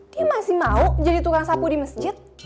dia masih mau jadi tukang sapu di masjid